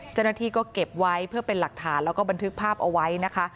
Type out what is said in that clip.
เจ้าหน้าที่ก็เก็บไว้เพื่อเป็นหลักฐานแล้วก็บันทึกภาพเอาไว้นะคะ